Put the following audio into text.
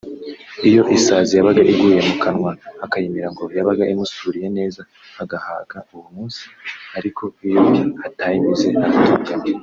Iyo isazi yabaga iguye mu kanwa akayimira ngo yabaga imusuriye neza agahaga uwo munsi ariko iyo atayimize aratongana